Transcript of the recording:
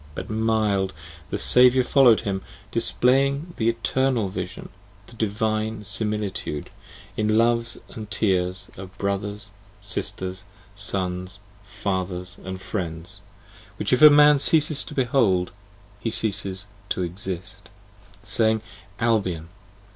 but, mild, the Saviour follow'd him, Displaying the Eternal Vision, the Divine Similitude, In loves and tears of brothers, sisters, sons, fathers and friends, Which if Man ceases to behold, he ceases to exist :/ Saying, Albion!